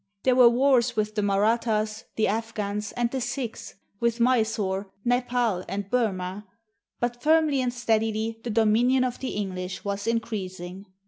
There were wars with the Marathas, the Afghans, and the Sikhs, with Mysore, Nepal, and Burma; but firmly and steadily the dominion of the English was increasing.